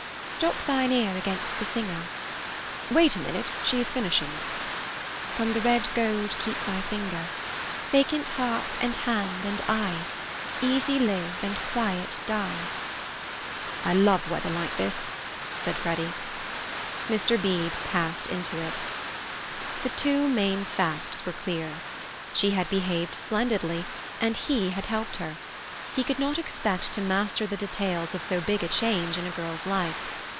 "Stop thine ear against the singer—" "Wait a minute; she is finishing." "From the red gold keep thy finger; Vacant heart and hand and eye Easy live and quiet die." "I love weather like this," said Freddy. Mr. Beebe passed into it. The two main facts were clear. She had behaved splendidly, and he had helped her. He could not expect to master the details of so big a change in a girl's life.